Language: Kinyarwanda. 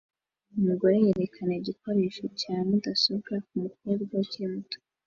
Umugore yerekana igikoresho cya mudasobwa kumukobwa ukiri muto